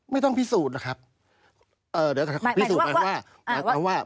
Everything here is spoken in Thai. ไม่ต้องพิสูจน์นะครับเอ่อเดี๋ยวพิสูจน์กันว่าหมายความว่า